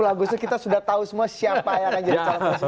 sepuluh agustus kita sudah tahu semua siapa yang akan jadi calon presiden